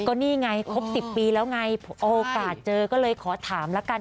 ก็นี่ไงครบ๑๐ปีแล้วไงโอกาสเจอก็เลยขอถามละกัน